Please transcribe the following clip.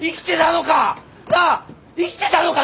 生きてたのか！？